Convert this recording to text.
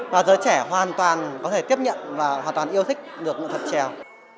và giới trẻ hoàn toàn có thể tiếp nhận và hoàn toàn yêu thích được nghệ thuật trèo